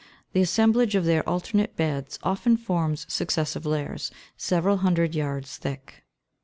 The assemblage of their alternate beds often forms successive layers, several hundred yards thick.